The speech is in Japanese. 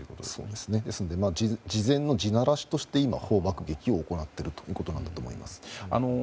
ですので事前の地ならしとして砲爆撃を行っているということなんだと思います。